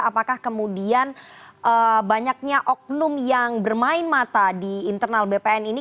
apakah kemudian banyaknya oknum yang bermain mata di internal bpn ini